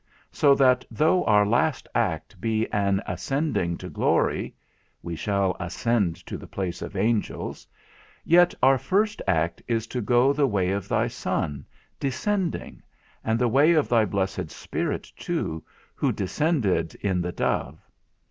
So that though our last act be an ascending to glory (we shall ascend to the place of angels), yet our first act is to go the way of thy Son, descending, and the way of thy blessed Spirit too, who descended in the dove.